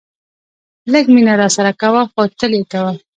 لږ مینه راسره کوه خو تل یې کوه.